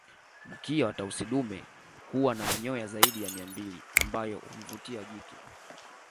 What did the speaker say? Mkia wa Tausi dume huwa na manyoya zaidi ya mia mbili ambayo humvutia jike